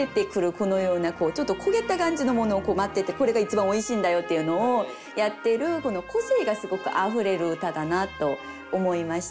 このようなちょっと焦げた感じのものを待っててこれが一番おいしいんだよっていうのをやってる個性がすごくあふれる歌だなと思いました。